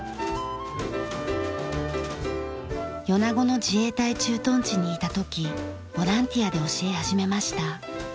米子の自衛隊駐屯地にいた時ボランティアで教え始めました。